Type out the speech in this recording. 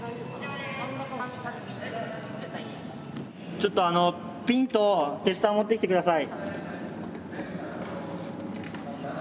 ちょっとあのピンとテスター持ってきて下さい。